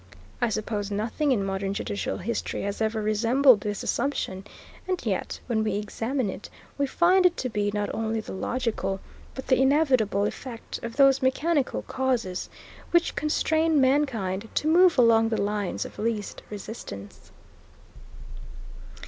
I suppose nothing in modern judicial history has ever resembled this assumption; and yet, when we examine it, we find it to be not only the logical, but the inevitable, effect of those mechanical causes which constrain mankind to move along the lines of least resistance.